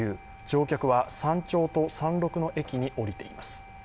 乗客は山頂と山麓の駅に降りています。